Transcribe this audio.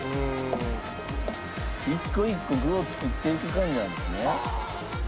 一個一個具を作っていく感じなんですね。